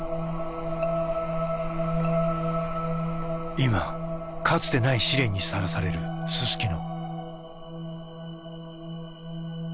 今かつてない試練にさらされるすすきの。